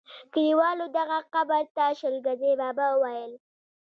کلیوالو دغه قبر ته شل ګزی بابا ویل.